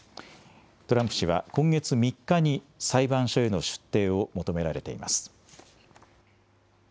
トランプ氏は今月３日に、裁判所への出廷を求められています。